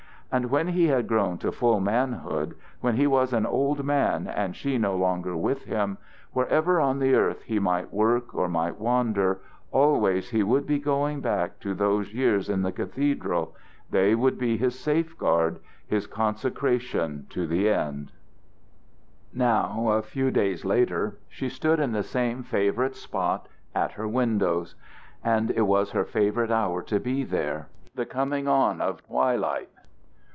And when he had grown to full manhood, when he was an old man and she no longer with him, wherever on the earth he might work or might wander, always he would be going back to those years in the cathedral: they would be his safeguard, his consecration to the end. Now a few days later she stood in the same favorite spot, at her windows; and it was her favorite hour to be there, the coming on of twilight.